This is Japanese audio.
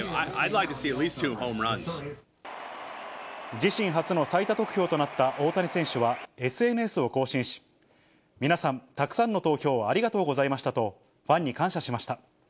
自身初の最多得票となった大谷選手はＳＮＳを更新し、皆さん、たくさんの投票ありがとうございましたと、ファンに感謝しました。